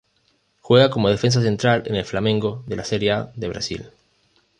Juega como defensa central en Flamengo de la Serie A de Brasil.